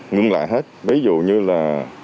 ngưng lại hết ví dụ như là